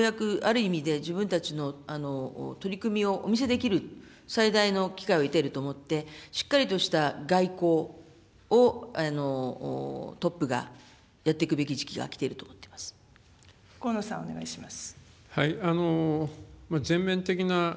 その中で今ようやく、ある意味で自分たちの取り組みをお見せできる最大の機会を得ていると思って、しっかりとした外交をトップがやっていくべき時期が来ていると思河野さん、お願いします。